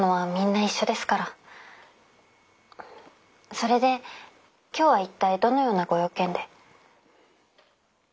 それで今日は一体どのようなご用件で？